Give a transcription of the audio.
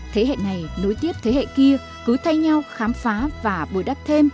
thế hệ này nối tiếp thế hệ kia cứ thay nhau khám phá và bồi đắp thêm